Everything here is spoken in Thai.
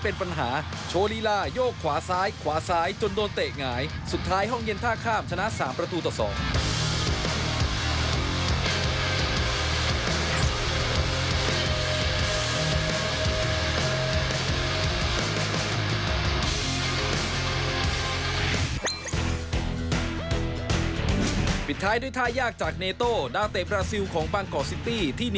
โปรดติดตามต่อไป